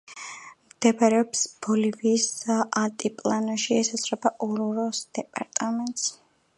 მდებარეობს ბოლივიის ალტიპლანოში, ესაზღვრება ორუროს დეპარტამენტს.